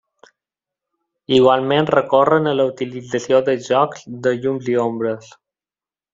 Igualment recorren a la utilització de jocs de llums i ombres.